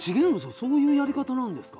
そういうやり方なんですか？